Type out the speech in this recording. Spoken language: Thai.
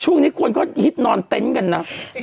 ช่วงนี้ก็ฮิตนอนเต้นกันนะ